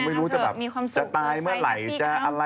ไม่รู้จะแบบจะตายเมื่อไหร่